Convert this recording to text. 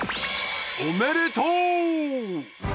おめでとう！